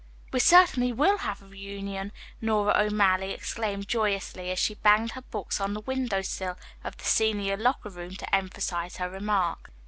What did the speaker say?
"We certainly will have a reunion," Nora O'Malley exclaimed joyously, as she banged her books on the window sill of the senior locker room to emphasize her remark.